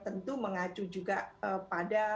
tentu mengacu juga pada